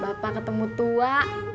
bapak ketemu tua